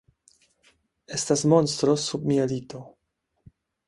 Estas monstro sub mia lito.